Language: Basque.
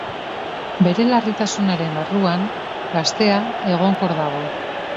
Bere larritasunaren barruan, gaztea egonkor dago.